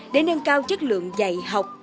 để nâng cao chất lượng dạy học